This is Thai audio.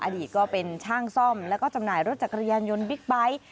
อดีตก็เป็นช่างซ่อมแล้วก็จำหน่ายรถจักรยานยนต์บิ๊กไบท์